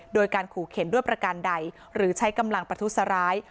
โดยการขู่เข็นด้วยประการใดหรือใช้กำลังประทุษร้าย